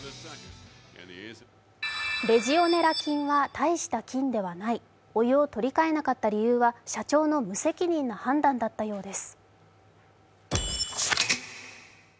レジオネラ菌は大した菌ではない、お湯を取り替えなかった理由は社長の無責任な判断だったようです。